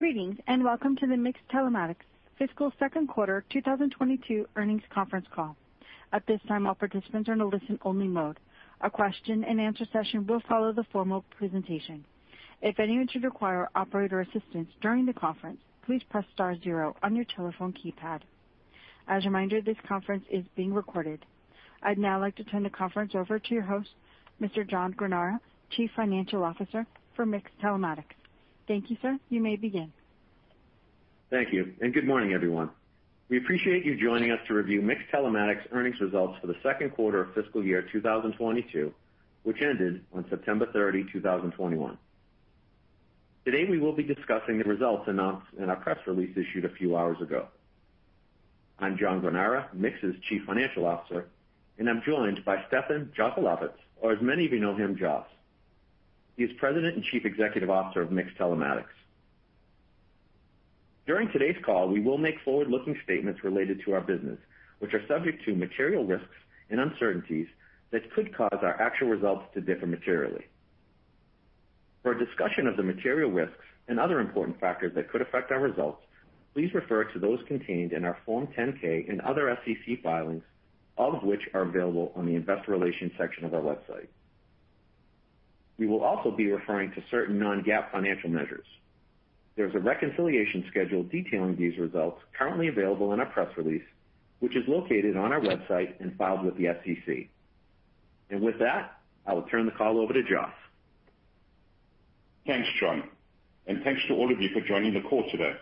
Greetings, and welcome to the MiX Telematics fiscal second quarter 2022 earnings conference call. At this time all participants are in a listen only mode. A question and answer session will follow the formal presentation. If anyone should require operator assistance during the conference, please press star zero on your telephone keypad. As a reminder, this conference is being recorded. I'd now like to turn the conference over to your host, Mr. John Granara, Chief Financial Officer for MiX Telematics. Thank you, sir. You may begin. Thank you, and good morning, everyone. We appreciate you joining us to review MiX Telematics earnings results for the second quarter of fiscal year 2022, which ended on September 30, 2021. Today, we will be discussing the results announced in our press release issued a few hours ago. I'm John Granara, MiX's Chief Financial Officer and I'm joined by Stefan Joselowitz, or as many of you know him, Joss. He is President and Chief Executive Officer of MiX Telematics. During today's call, we will make forward looking statements related to our business, which are subject to material risks and uncertainties that could cause our actual results to differ materially. For a discussion of the material risks and other important factors that could affect our results, please refer to those contained in our Form 10K and other SEC filings, all of which are available on the investor relations section of our website. We will also be referring to certain non-GAAP financial measures. There's a reconciliation schedule detailing these results currently available in our press release, which is located on our website and filed with the SEC. With that, I will turn the call over to Joss. Thanks, John, and thanks to all of you for joining the call today.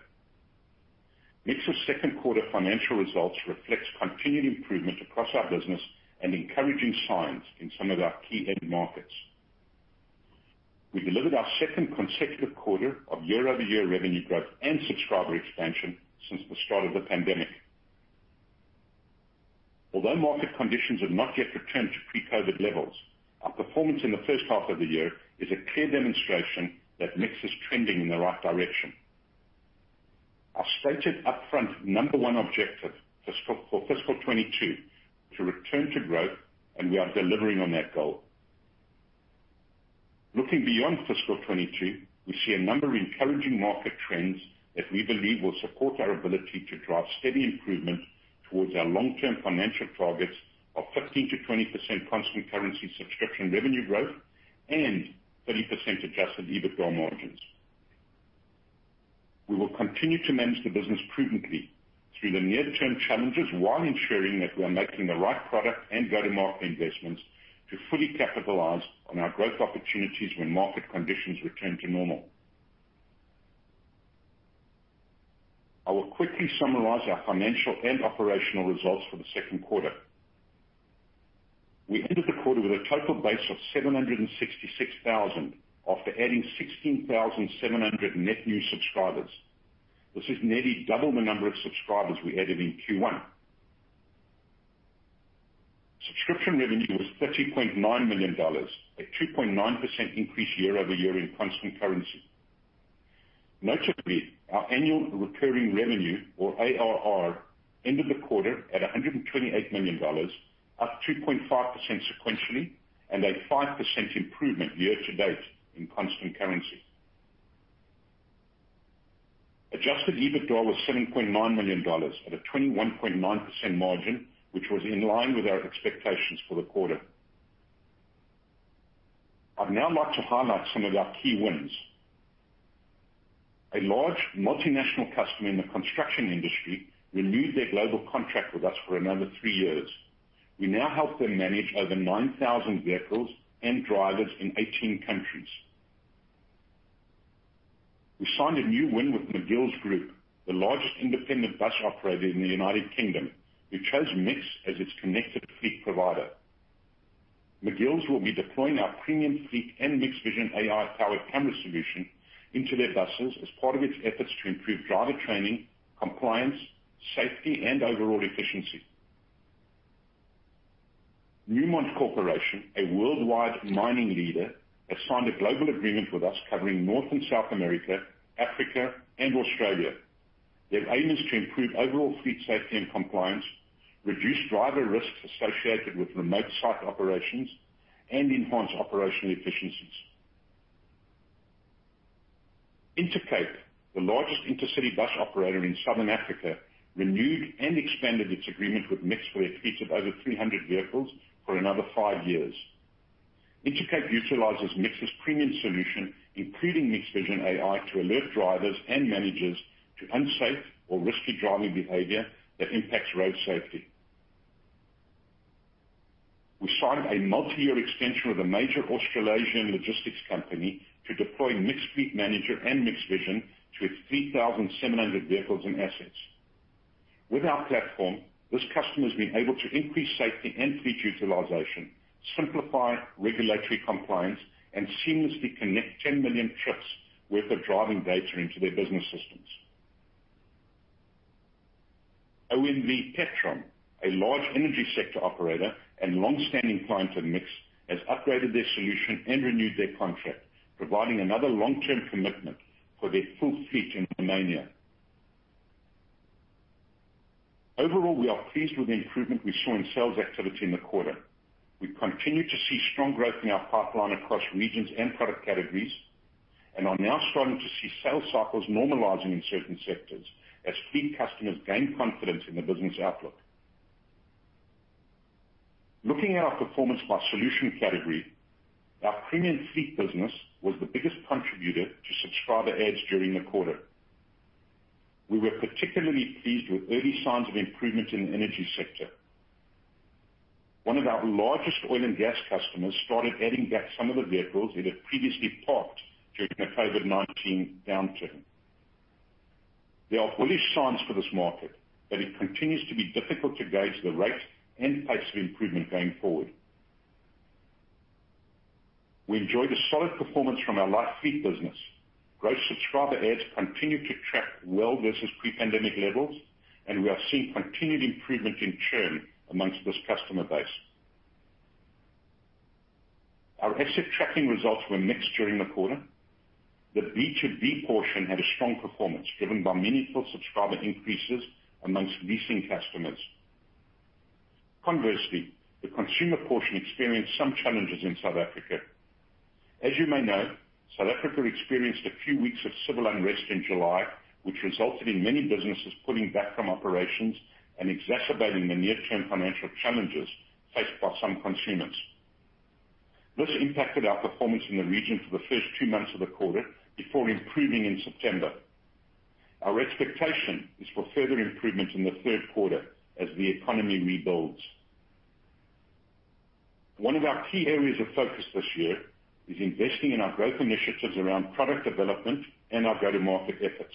MiX's second quarter financial results reflects continued improvement across our business and encouraging signs in some of our key end markets. We delivered our second consecutive quarter of year-over-year revenue growth and subscriber expansion since the start of the pandemic. Although market conditions have not yet returned to pre-COVID levels, our performance in the first half of the year is a clear demonstration that MiX is trending in the right direction. Our stated upfront number one objective for fiscal 2022 to return to growth and we are delivering on that goal. Looking beyond fiscal 2022, we see a number of encouraging market trends that we believe will support our ability to drive steady improvement towards our long term financial targets of 15%-20% constant currency subscription revenue growth and 30% adjusted EBITDA margins. We will continue to manage the business prudently through the near-term challenges while ensuring that we are making the right product and go to market investments to fully capitalize on our growth opportunities when market conditions return to normal. I will quickly summarize our financial and operational results for the second quarter. We ended the quarter with a total base of 766,000 after adding 16,700 net new subscribers. This is nearly double the number of subscribers we added in Q1. Subscription revenue was $30.9 million, a 2.9% increase year-over-year in constant currency. Notably, our annual recurring revenue or ARR ended the quarter at $128 million, up 2.5% sequentially and a 5% improvement year to date in constant currency. Adjusted EBITDA was $7.9 million at a 21.9% margin, which was in line with our expectations for the quarter. I'd now like to highlight some of our key wins. A large multinational customer in the construction industry renewed their global contract with us for another three years. We now help them manage over 9,000 vehicles and drivers in 18 countries. We signed a new win with McGill's Group, the largest independent bus operator in the United Kingdom, who chose MiX as its connected fleet provider. McGill's will be deploying our premium fleet and MiX Vision AI powered camera solution into their buses as part of its efforts to improve driver training, compliance, safety and overall efficiency. Newmont, a worldwide mining leader, has signed a global agreement with us covering North and South America, Africa and Australia. Their aim is to improve overall fleet safety and compliance, reduce driver risks associated with remote site operations, and enhance operational efficiencies. Intercape, the largest intercity bus operator in Southern Africa, renewed and expanded its agreement with MiX for a fleet of over 300 vehicles for another five years. Intercape utilizes MiX's premium solution, including MiX Vision AI, to alert drivers and managers to unsafe or risky driving behavior that impacts road safety. We signed a multi year extension with a major Australasian logistics company to deploy MiX Fleet Manager and MiX Vision to its 3,700 vehicles and assets. With our platform, this customer's been able to increase safety and fleet utilization, simplify regulatory compliance and seamlessly connect ten million trips worth of driving data into their business systems. OMV Petrom, a large energy sector operator and long standing client of MiX, has upgraded their solution and renewed their contract, providing another long term commitment for their full fleet in Romania. Overall, we are pleased with the improvement we saw in sales activity in the quarter. We continue to see strong growth in our pipeline across regions and product categories and are now starting to see sales cycles normalizing in certain sectors as fleet customers gain confidence in the business outlook. Looking at our performance by solution category, our premium fleet business was the biggest contributor to subscriber adds during the quarter. We were particularly pleased with early signs of improvement in the energy sector. One of our largest oil and gas customers started adding back some of the vehicles they had previously parked during the COVID-19 downturn. There are early signs for this market that it continues to be difficult to gauge the rate and pace of improvement going forward. We enjoyed a solid performance from our light fleet business. Growth subscriber adds continue to track well versus pre-pandemic levels, and we are seeing continued improvement in churn amongst this customer base. Our asset tracking results were mixed during the quarter. The B2B portion had a strong performance driven by meaningful subscriber increases amongst leasing customers. Conversely, the consumer portion experienced some challenges in South Africa. As you may know, South Africa experienced a few weeks of civil unrest in July, which resulted in many businesses pulling back from operations and exacerbating the near term financial challenges faced by some consumers. This impacted our performance in the region for the first two months of the quarter before improving in September. Our expectation is for further improvement in the third quarter as the economy rebuilds. One of our key areas of focus this year is investing in our growth initiatives around product development and our go to market efforts.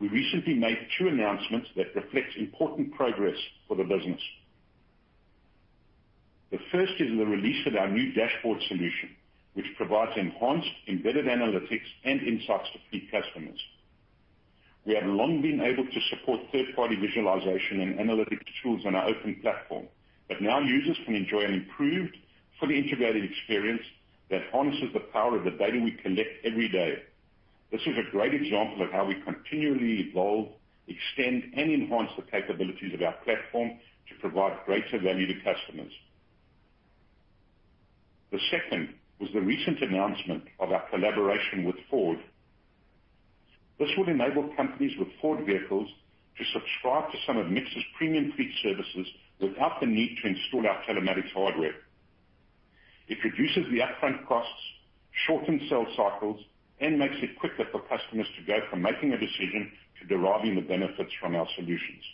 We recently made two announcements that reflect important progress for the business. The first is the release of our new dashboard solution, which provides enhanced embedded analytics and insights to fleet customers. We have long been able to support third party visualization and analytics tools on our open platform, but now users can enjoy an improved, fully integrated experience that harnesses the power of the data we collect every day. This is a great example of how we continually evolve, extend and enhance the capabilities of our platform to provide greater value to customers. The second was the recent announcement of our collaboration with Ford. This will enable companies with Ford vehicles to subscribe to some of MiX's premium fleet services without the need to install our telematics hardware. It reduces the upfront costs, shorten sales cycles and makes it quicker for customers to go from making a decision to deriving the benefits from our solutions.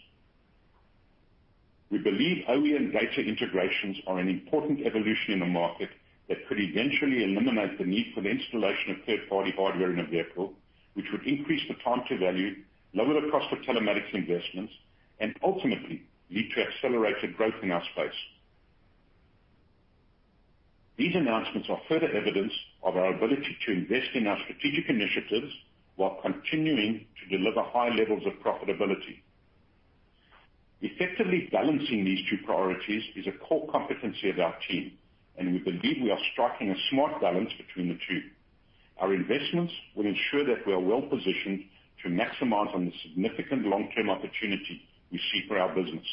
We believe OEM data integrations are an important evolution in the market that could eventually eliminate the need for the installation of third party hardware in a vehicle, which would increase the time to value, lower the cost of telematics investments, and ultimately lead to accelerated growth in our space. These announcements are further evidence of our ability to invest in our strategic initiatives while continuing to deliver high levels of profitability. Effectively balancing these two priorities is a core competency of our team and we believe we are striking a smart balance between the two. Our investments will ensure that we are well positioned to maximize on the significant long-term opportunity we see for our business.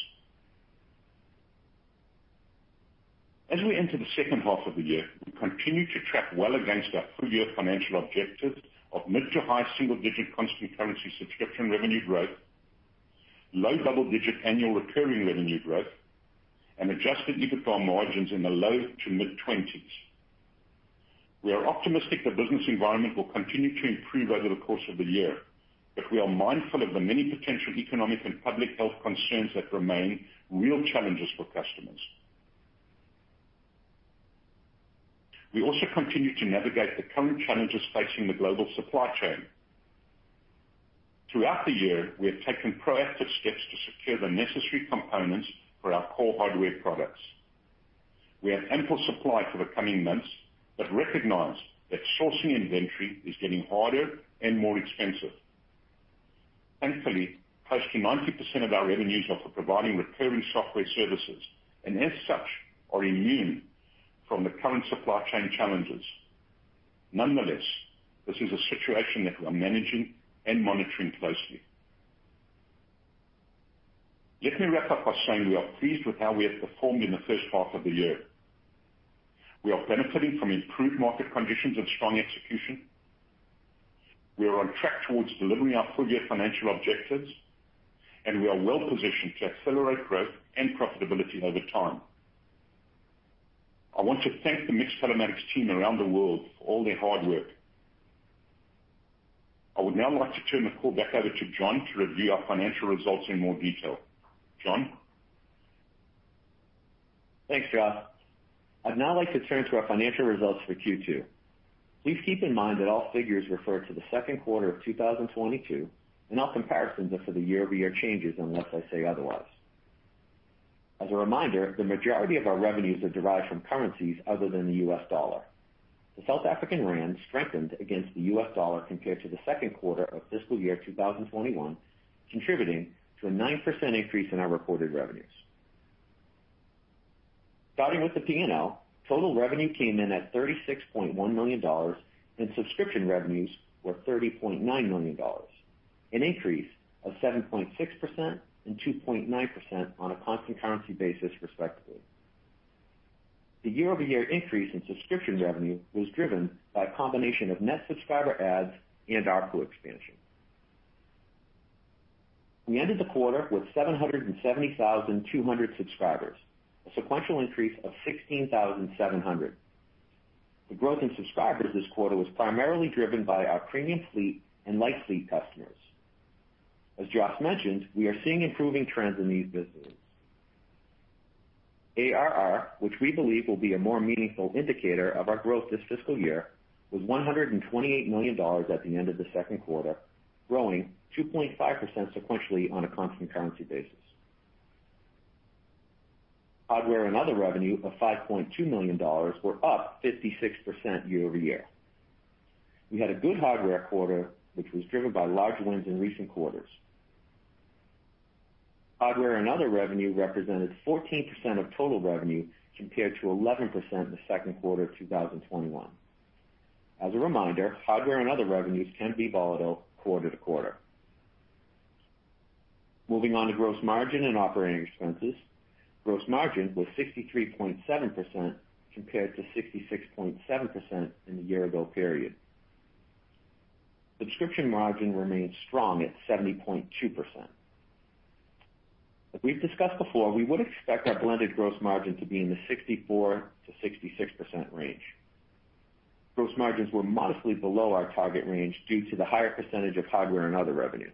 As we enter the second half of the year, we continue to track well against our full year financial objectives of mid to high single digit constant currency subscription revenue growth, low double digit annual recurring revenue growth and adjusted EBITDA margins in the low to mid20s. We are optimistic the business environment will continue to improve over the course of the year, but we are mindful of the many potential economic and public health concerns that remain real challenges for customers. We also continue to navigate the current challenges facing the global supply chain. Throughout the year, we have taken proactive steps to secure the necessary components for our core hardware products. We have ample supply for the coming months, but recognize that sourcing inventory is getting harder and more expensive. Thankfully, close to 90% of our revenues are for providing recurring software services and as such are immune from the current supply chain challenges. Nonetheless, this is a situation that we are managing and monitoring closely. Let me wrap up by saying we are pleased with how we have performed in the first half of the year. We are benefiting from improved market conditions and strong execution. We are on track towards delivering our full year financial objectives, and we are well positioned to accelerate growth and profitability over time. I want to thank the MiX Telematics team around the world for all their hard work. I would now like to turn the call back over to John to review our financial results in more detail. John? Thanks, Joss. I'd now like to turn to our financial results for Q2. Please keep in mind that all figures refer to the second quarter of 2022 and all comparisons are for the year-over-year changes unless I say otherwise. As a reminder, the majority of our revenues are derived from currencies other than the US dollar. The South African rand strengthened against the US dollar compared to the second quarter of fiscal year 2021, contributing to a 9% increase in our reported revenues. Starting with the P&L, total revenue came in at $36.1 million and subscription revenues were $30.9 million, an increase of 7.6% and 2.9% on a constant currency basis, respectively. The year-over-year increase in subscription revenue was driven by a combination of net subscriber adds and ARPU expansion. We ended the quarter with 770,200 subscribers, a sequential increase of 16,700. The growth in subscribers this quarter was primarily driven by our Premium Fleet and Light Fleet customers. Joss mentioned, we are seeing improving trends in these businesses. ARR, which we believe will be a more meaningful indicator of our growth this fiscal year, was $128 million at the end of the second quarter, growing 2.5% sequentially on a constant currency basis. Hardware and other revenue of $5.2 million were up 56% year-over-year. We had a good hardware quarter, which was driven by large wins in recent quarters. Hardware and other revenue represented 14% of total revenue compared to 11% in the second quarter of 2021. As a reminder, hardware and other revenues can be volatile quarter to quarter. Moving on to gross margin and operating expenses. Gross margin was 63.7% compared to 66.7% in the year ago period. Subscription margin remained strong at 70.2%. As we've discussed before, we would expect our blended gross margin to be in the 64%-66% range. Gross margins were modestly below our target range due to the higher percentage of hardware and other revenue.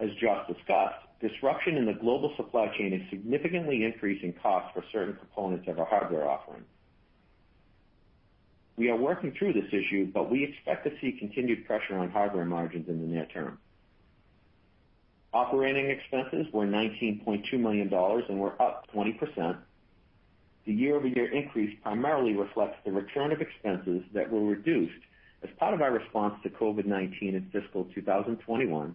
As Joss discussed, disruption in the global supply chain is significantly increasing costs for certain components of our hardware offering. We are working through this issue, but we expect to see continued pressure on hardware margins in the near term. Operating expenses were $19.2 million and were up 20%. The year-over-year increase primarily reflects the return of expenses that were reduced as part of our response to COVID-19 in fiscal 2021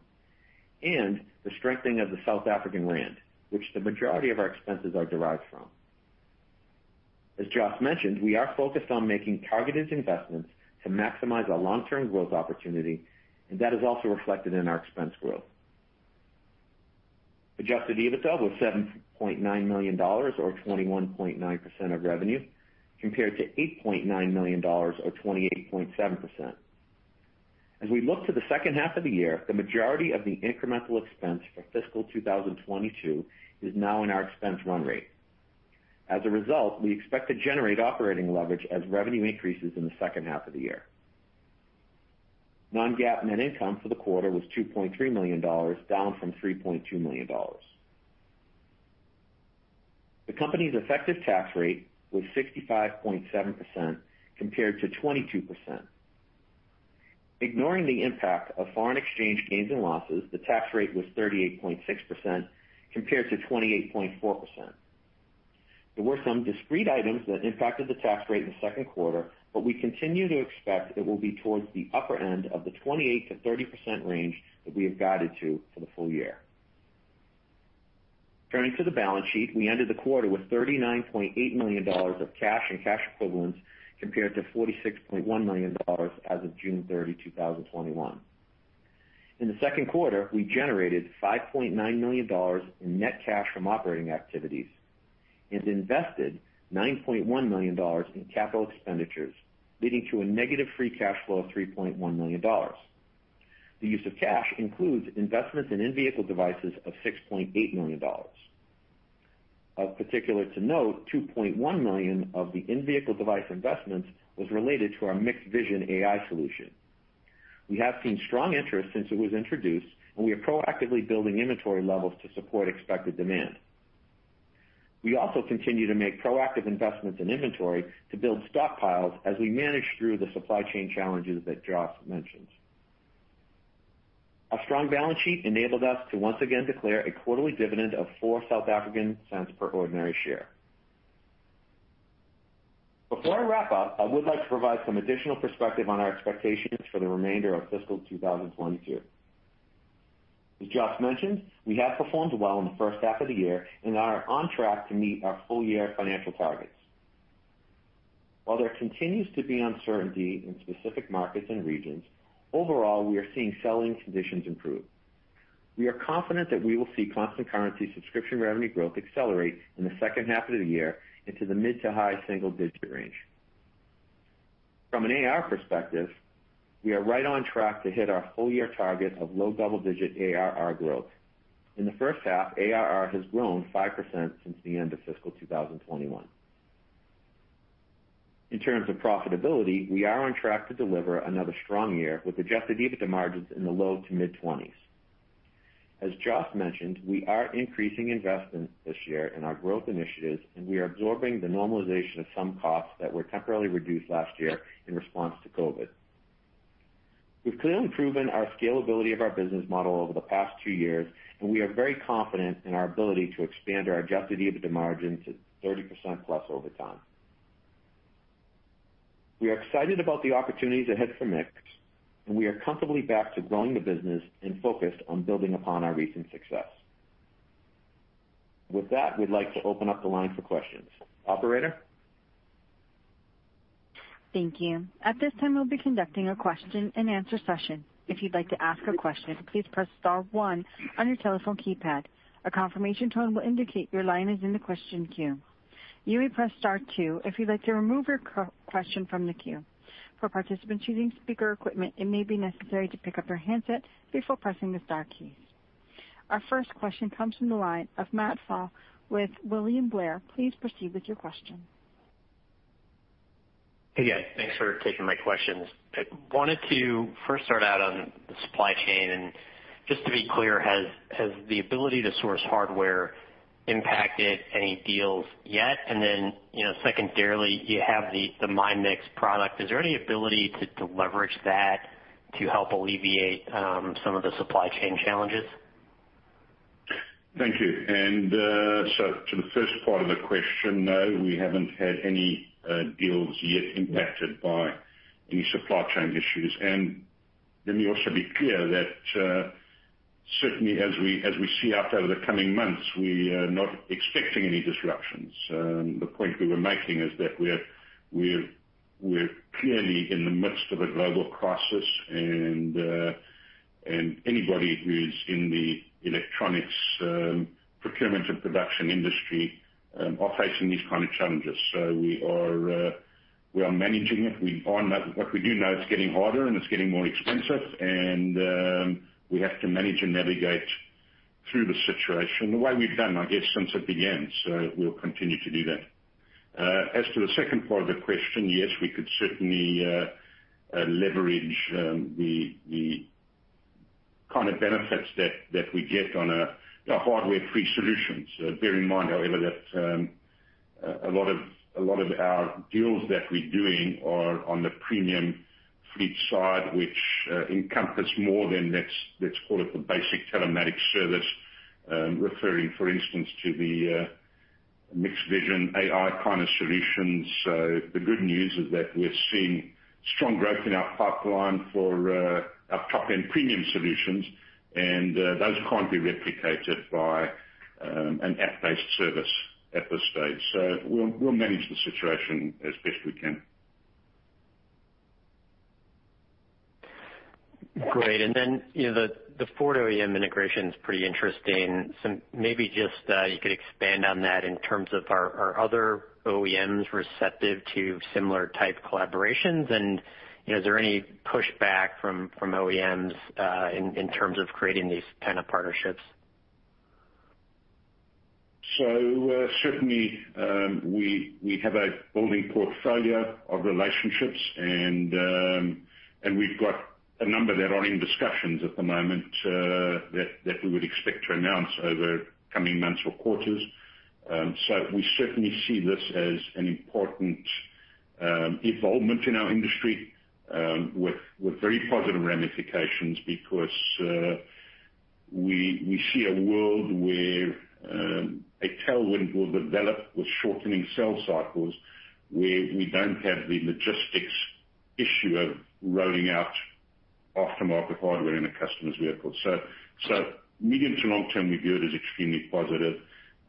and the strengthening of the South African rand, which the majority of our expenses are derived from. Joss mentioned, we are focused on making targeted investments to maximize our long term growth opportunity, and that is also reflected in our expense growth. Adjusted EBITDA was $7.9 million or 21.9% of revenue, compared to $8.9 million or 28.7%. We look to the second half of the year, the majority of the incremental expense for fiscal 2022 is now in our expense run rate. As a result, we expect to generate operating leverage as revenue increases in the second half of the year. Non-GAAP net income for the quarter was $2.3 million, down from $3.2 million. The company's effective tax rate was 65.7% compared to 22%. Ignoring the impact of foreign exchange gains and losses, the tax rate was 38.6% compared to 28.4%. There were some discrete items that impacted the tax rate in the second quarter, but we continue to expect it will be towards the upper end of the 28%-30% range that we have guided to for the full year. Turning to the balance sheet, we ended the quarter with $39.8 million of cash and cash equivalents compared to $46.1 million as of June 30, 2021. In the second quarter, we generated $5.9 million in net cash from operating activities and invested $9.1 million in capital expenditures, leading to a negative free cash flow of $3.1 million. The use of cash includes investments in in-vehicle devices of $6.8 million. Of particular note, 2.1 million of the in vehicle device investments was related to our MiX Vision AI solution. We have seen strong interest since it was introduced, and we are proactively building inventory levels to support expected demand. We also continue to make proactive investments in inventory to build stockpiles as we manage through the supply chain challenges that Joss mentioned. Our strong balance sheet enabled us to once again declare a quarterly dividend of 0.04 per ordinary share. Before I wrap up, I would like to provide some additional perspective on our expectations for the remainder of fiscal 2022. As Joss mentioned, we have performed well in the first half of the year and are on track to meet our full year financial targets. While there continues to be uncertainty in specific markets and regions, overall, we are seeing selling conditions improve. We are confident that we will see constant currency subscription revenue growth accelerate in the second half of the year into the mid- to high-single-digit range. From an ARR perspective, we are right on track to hit our full year target of low double-digit ARR growth. In the first half, ARR has grown 5% since the end of fiscal 2021. In terms of profitability, we are on track to deliver another strong year with adjusted EBITDA margins in the low to mid 20s. As Joss mentioned, we are increasing investments this year in our growth initiatives, and we are absorbing the normalization of some costs that were temporarily reduced last year in response to COVID. We've clearly proven our scalability of our business model over the past two years, and we are very confident in our ability to expand our adjusted EBITDA margin to 30%+ over time. We are excited about the opportunities ahead for MiX and we are comfortably back to growing the business and focused on building upon our recent success. With that, we'd like to open up the line for questions. Operator? Thank you. At this time, we'll be conducting a question and answer session. If you'd like to ask a question, please press star one on your telephone keypad. A confirmation tone will indicate your line is in the question queue. You may press star two if you'd like to remove your question from the queue. For participants using speaker equipment, it may be necessary to pick up your handset before pressing the star keys. Our first question comes from the line of Matthew Pfau with William Blair. Please proceed with your question. Hey, guys. Thanks for taking my questions. I wanted to first start out on the supply chain. Just to be clear, has the ability to source hardware impacted any deals yet? You know, secondarily, you have the MyMiX product. Is there any ability to leverage that to help alleviate some of the supply chain challenges? Thank you. To the first part of the question, no, we haven't had any deals yet impacted by any supply chain issues. Let me also be clear that certainly as we see out over the coming months, we are not expecting any disruptions. The point we were making is that we're clearly in the midst of a global crisis and anybody who's in the electronics procurement and production industry are facing these kind of challenges. We are managing it. We find that what we do know, it's getting harder and it's getting more expensive and we have to manage and navigate through the situation the way we've done, I guess, since it began. We'll continue to do that. As to the second part of the question, yes, we could certainly leverage the kind of benefits that we get on a, you know, hardware free solution. Bear in mind, however, that a lot of our deals that we're doing are on the premium fleet side, which encompass more than, let's call it, the basic telematics service, referring, for instance, to the MiX Vision AI kind of solutions. The good news is that we're seeing strong growth in our pipeline for our top end premium solutions, and those can't be replicated by an app-based service at this stage. We'll manage the situation as best we can. Great. You know, the Ford OEM integration is pretty interesting. Maybe just you could expand on that in terms of are other OEMs receptive to similar type collaborations? You know, is there any pushback from OEMs in terms of creating these kind of partnerships? Certainly, we have a building portfolio of relationships and we've got a number that are in discussions at the moment that we would expect to announce over coming months or quarters. We certainly see this as an important evolution in our industry with very positive ramifications because we see a world where a tailwind will develop with shortening sales cycles where we don't have the logistics issue of rolling out aftermarket hardware in a customer's vehicle. Medium to long term, we view it as extremely positive.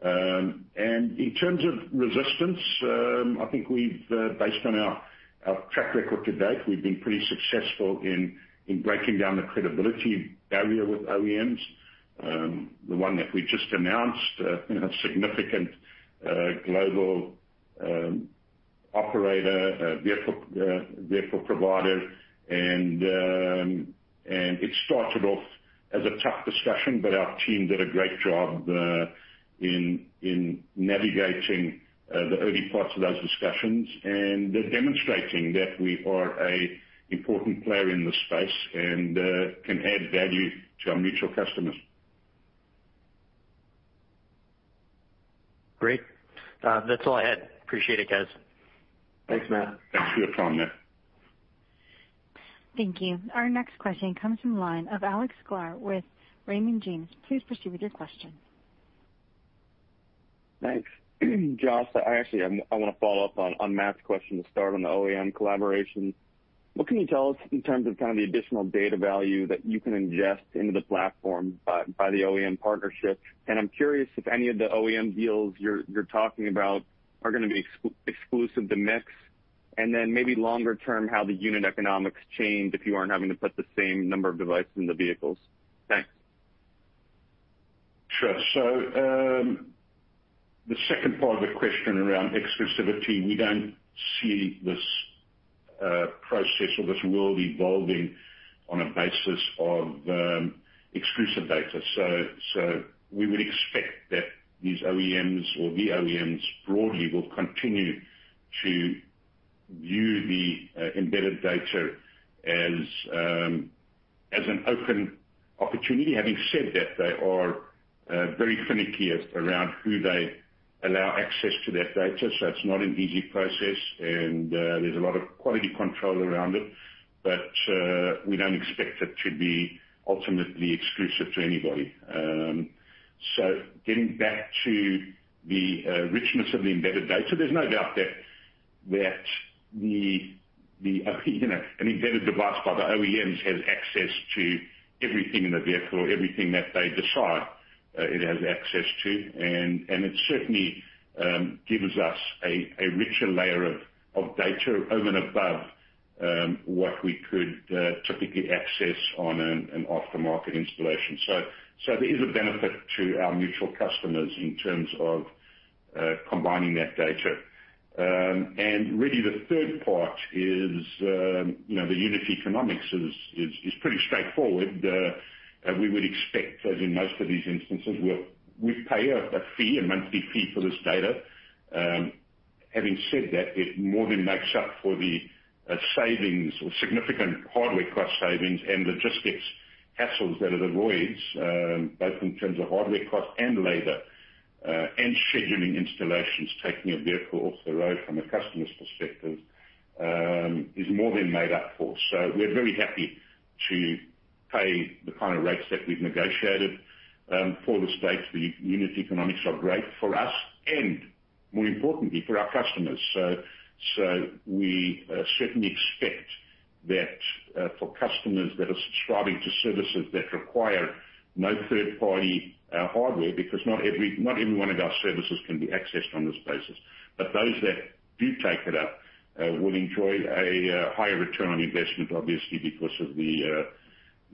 In terms of resistance, I think based on our track record to date we've been pretty successful in breaking down the credibility barrier with OEMs. The one that we just announced, you know, significant global operator vehicle provider. It started off as a tough discussion, but our team did a great job in navigating the early parts of those discussions. They're demonstrating that we are a important player in this space and can add value to our mutual customers. Great. That's all I had. Appreciate it, guys. Thanks, Matt. Thanks for your time, Matt. Thank you. Our next question comes from the line of Alex Sklar with Raymond James. Please proceed with your question. Thanks. Joss, I actually wanna follow up on Matt's question to start on the OEM collaboration. What can you tell us in terms of kind of the additional data value that you can ingest into the platform by the OEM partnership? And I'm curious if any of the OEM deals you're talking about are gonna be exclusive to MiX. And then maybe longer term, how the unit economics change if you aren't having to put the same number of devices in the vehicles. Thanks. Sure. The second part of the question around exclusivity, we don't see this process or this world evolving on a basis of exclusive data. We would expect that these OEMs or the OEMs broadly will continue to view the embedded data as an open opportunity. Having said that, they are very finicky around who they allow access to that data, so it's not an easy process and there's a lot of quality control around it. We don't expect it to be ultimately exclusive to anybody. Getting back to the richness of the embedded data, there's no doubt that the you know, an embedded device by the OEMs has access to everything in the vehicle or everything that they decide it has access to. It certainly gives us a richer layer of data over and above what we could typically access on an aftermarket installation. There is a benefit to our mutual customers in terms of combining that data. Really the third part is, you know, the unit economics is pretty straightforward. We would expect that in most of these instances we pay a fee, a monthly fee for this data. Having said that, it more than makes up for the significant hardware cost savings and logistics hassles that it avoids, both in terms of hardware cost and labor and scheduling installations. Taking a vehicle off the road from a customer's perspective is more than made up for. We're very happy to pay the kind of rates that we've negotiated for this data. The unit economics are great for us and more importantly, for our customers. We certainly expect that for customers that are subscribing to services that require no third party hardware, because not every one of our services can be accessed on this basis. Those that do take it up will enjoy a higher return on investment, obviously because of the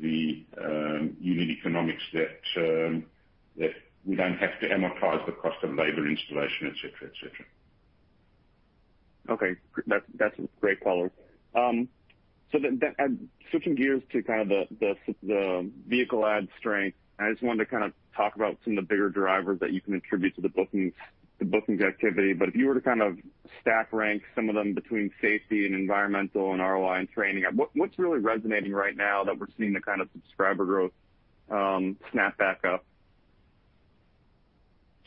unit economics that we don't have to amortize the cost of labor, installation, et cetera. Okay. That's a great follow. So then switching gears to kind of the vehicle add strength, I just wanted to kind of talk about some of the bigger drivers that you can attribute to the bookings activity. If you were to kind of stack rank some of them between safety and environmental and ROI and training, what's really resonating right now that we're seeing the kind of subscriber growth snap back up?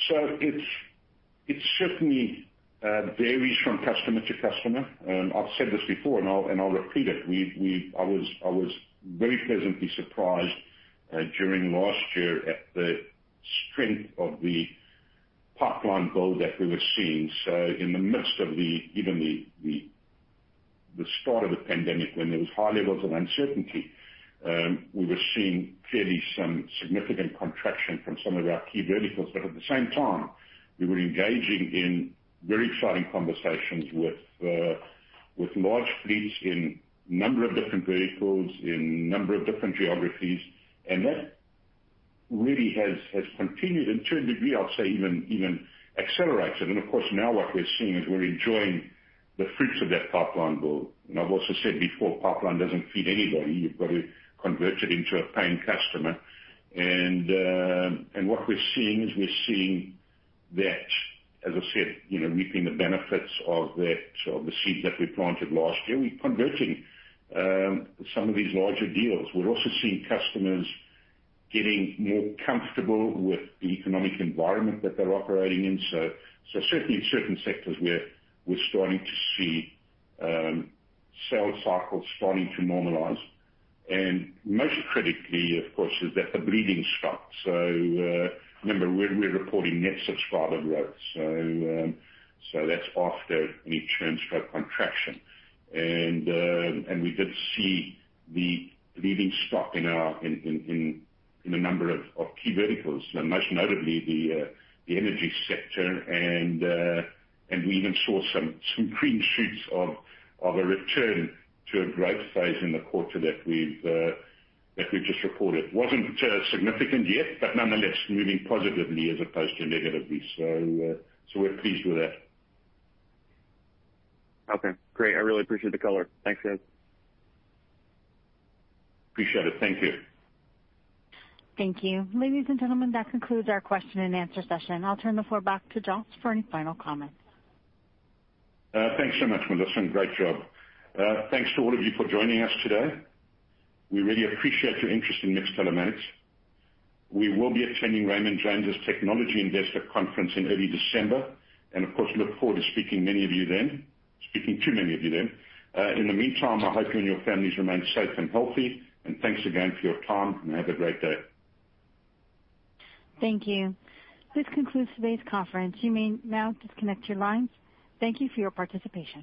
It's certainly varies from customer to customer. I've said this before and I'll repeat it. I was very pleasantly surprised during last year at the strength of the pipeline build that we were seeing. In the midst of even the start of the pandemic, when there was high levels of uncertainty, we were seeing clearly some significant contraction from some of our key verticals. At the same time, we were engaging in very exciting conversations with large fleets in a number of different vehicles, in a number of different geographies. That really has continued. To a degree, I'll say even accelerated. Of course, now what we're seeing is we're enjoying the fruits of that pipeline build. I've also said before, pipeline doesn't feed anybody. You've got to convert it into a paying customer. What we're seeing is that, as I said, you know, reaping the benefits of that, of the seeds that we planted last year. We're converting some of these larger deals. We're also seeing customers getting more comfortable with the economic environment that they're operating in. Certainly in certain sectors we're starting to see sales cycles starting to normalize. Most critically, of course, is that the bleeding stopped. Remember, we're reporting net subscriber growth, so that's after any churns for contraction. We did see the bleeding stop in a number of key verticals, you know, most notably the energy sector. We even saw some green shoots of a return to a growth phase in the quarter that we've just reported. Wasn't significant yet, but nonetheless moving positively as opposed to negatively. We're pleased with that. Okay, great. I really appreciate the color. Thanks, guys. Appreciate it. Thank you. Thank you. Ladies and gentlemen, that concludes our question and answer session. I'll turn the floor back to Joss for any final comments. Thanks so much, Melissa. Great job. Thanks to all of you for joining us today. We really appreciate your interest in MiX Telematics. We will be attending Raymond James Technology Investor Conference in early December and of course look forward to speaking to many of you then. In the meantime, I hope you and your families remain safe and healthy. Thanks again for your time and have a great day. Thank you. This concludes today's conference. You may now disconnect your lines. Thank you for your participation.